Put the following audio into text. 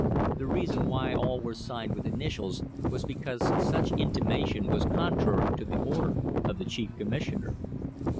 The reason why all were signed with initials was because such intimation was contrary to the order of the Chief Commissioner.